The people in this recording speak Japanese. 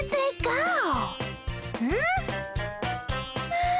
ああ！